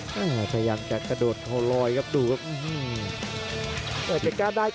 คุณภาพชาตินะครับดูผัดช้าครับ